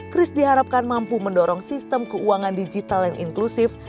kris diharapkan mampu mendorong sistem keuangan digital yang inklusif